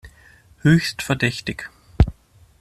Höchst verdächtig!